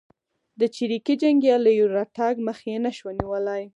د چریکي جنګیالیو راتګ مخه یې نه شوه نیولای.